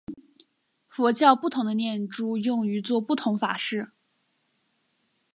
佛教不同的念珠用于作不同法事。